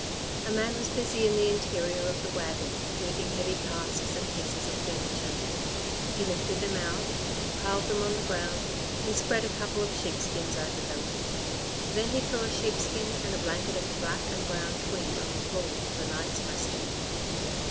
A man was busy in the interior of the wagon, moving heavy casks and pieces of furniture. He lifted them out, piled them on the ground and spread a couple of sheepskins over them. Then he threw a sheepskin and a blanket of black and brown tweed on the floor for the night's resting.